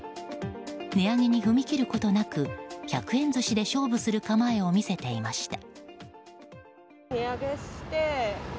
値上げに踏み切ることなく１００円寿司で勝負する構えを見せていました。